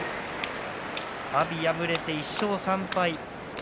阿炎、敗れて１勝３敗。